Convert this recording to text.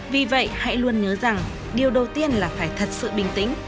vì vậy hãy luôn nhớ rằng điều đầu tiên là phải thật sự bình tĩnh